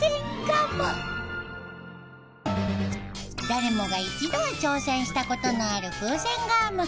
誰もが一度は挑戦した事のある風船ガム。